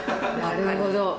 なるほど。